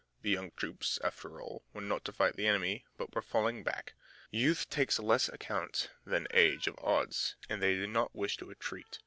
The young troops, after all, were not to fight the enemy, but were falling back. Youth takes less account than age of odds, and they did not wish to retreat.